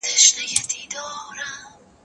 زده کړه وکړه،